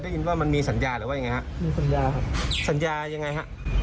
ได้ยินว่ามันมีสัญญาหรือว่ายังไงฮะมีสัญญาครับสัญญายังไงฮะ